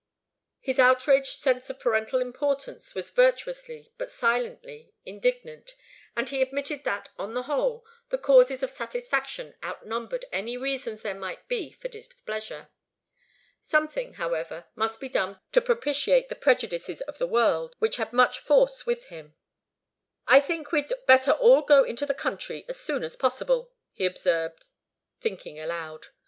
His outraged sense of parental importance was virtuously, but silently, indignant, and he admitted that, on the whole, the causes of satisfaction outnumbered any reasons there might be for displeasure. Something, however, must be done to propitiate the prejudices of the world, which had much force with him. "I think we'd better all go into the country as soon as possible," he observed, thinking aloud.